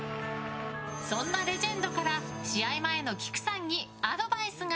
そんなレジェンドから試合前のきくさんにアドバイスが。